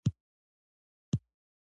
آیا کاناډا یو څو کلتوری هیواد نه دی؟